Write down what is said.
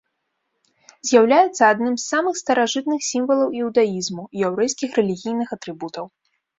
З'яўляецца адным з самых старажытных сімвалаў іўдаізму і яўрэйскіх рэлігійных атрыбутаў.